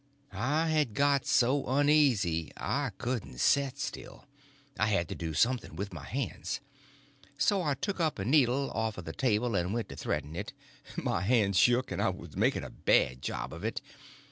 I had got so uneasy I couldn't set still. I had to do something with my hands; so I took up a needle off of the table and went to threading it. My hands shook, and I was making a bad job of it.